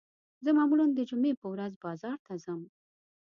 زه معمولاً د جمعې په ورځ بازار ته ځم